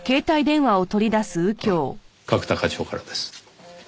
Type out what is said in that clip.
あっ角田課長からです。